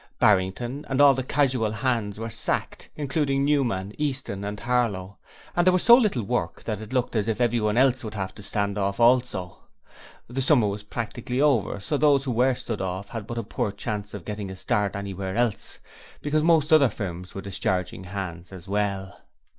Barrington and all the casual hands were sacked, including Newman, Easton and Harlow, and there was so little work that it looked as if everyone else would have to stand off also. The summer was practically over, so those who were stood off had but a poor chance of getting a start anywhere else, because most other firms were discharging hands as well.